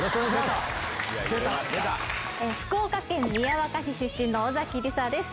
福岡県宮若市出身の尾崎里紗です。